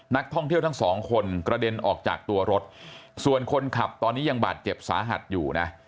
นักท่องเที่ยวทั้งสองคนกระเด็นออกจากตัวรถส่วนคนขับตอนนี้ยังบาดเจ็บสาหัสอยู่นะ